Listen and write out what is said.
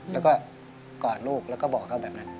แล้วก็กอดลูกแล้วก็บอกเขาแบบนั้น